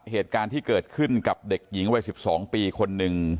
เหตุการณ์ที่เกิดขึ้นกับเด็กหญิงวัย๑๒ปีคนหนึ่ง